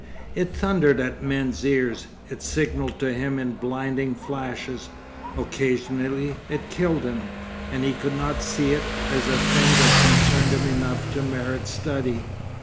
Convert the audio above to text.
It thundered at man's ears, it signalled to him in blinding flashes, occasionally it killed him, and he could not see it as a thing that concerned him enough to merit study.